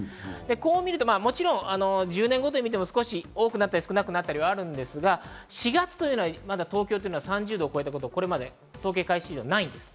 こう見ると１０年ごとに見ても多くなって少なくなったりはあるんですが、４月というのは、東京はまだ３０度を超えたことは統計開始史上、ないんです。